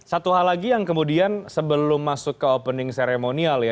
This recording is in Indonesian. satu hal lagi yang kemudian sebelum masuk ke opening seremonial ya